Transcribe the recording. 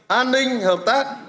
an ninh hợp tác